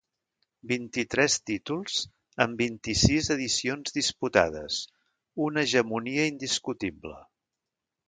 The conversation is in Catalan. Vint-i-tres títols en vint-i-sis edicions disputades, una hegemonia indiscutible.